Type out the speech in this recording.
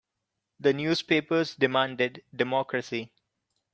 The newspapers demanded democracy.